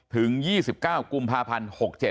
ถึง๒๙กุมภาพันธ์๖๗